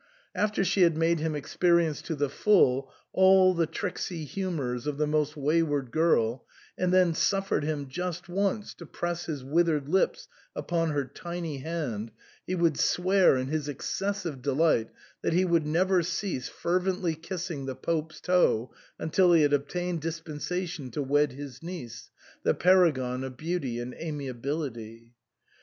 After she had made him experience to the full all the tricksy humours of the most wayward girl, and then suffered him just once to press his withered lips upon her tiny hand, he would swear in his excessive delight that he would never cease fervently kissing the Pope's toe until he had obtained dispensation to wed his niece, the paragon of beauty and amiability.